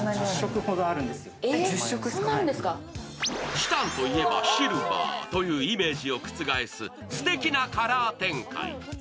チタンといえばシルバーというイメージを覆すすてきなカラー展開。